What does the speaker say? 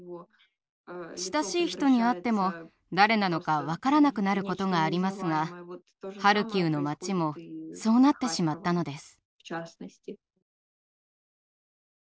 親しい人に会っても誰なのか分からなくなることがありますがハルキウの町もそうなってしまったのです。